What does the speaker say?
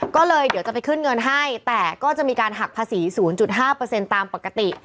ก็เลยเดี๋ยวจะไปขึ้นเงินให้แต่ก็จะมีการหักภาษี๐๕ตามปกติ